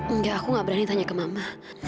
enggak aku gak berani tanya ke mama